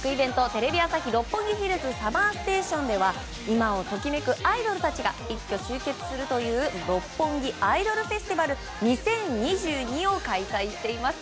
「テレビ朝日・六本木ヒルズＳＵＭＭＥＲＳＴＡＴＩＯＮ」では今を時めくアイドルたちが一挙集結するという六本木アイドルフェスティバル２０２２を開催しています。